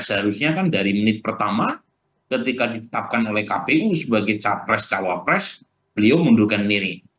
seharusnya kan dari menit pertama ketika ditetapkan oleh kpu sebagai capres cawapres beliau mundurkan diri